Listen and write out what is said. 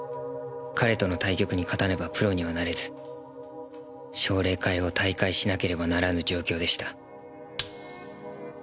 彼との対局に勝たねばプロにはなれず奨励会を退会しなければならぬ状況でした。